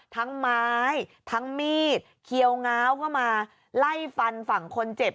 ทั้งไม้ทั้งมีดเคียวง้าวเข้ามาไล่ฟันฝั่งคนเจ็บ